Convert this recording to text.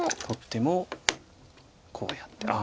取ってもこうやって。